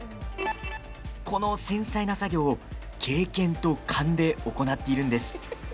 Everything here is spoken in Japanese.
この繊細な作業を経験と勘で行っているのです。